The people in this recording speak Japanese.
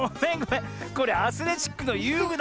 これアスレチックのゆうぐだったわ。